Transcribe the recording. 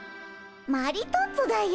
マリトッツォだよ。